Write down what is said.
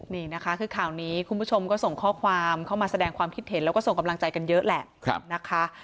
นี่นะคะคือข่าวนี้คุณผู้ชมก็ส่งข้อความเข้ามาแสดงความคิดเห็นแล้วก็ส่งกำลังใจกันเยอะแหละนะคะ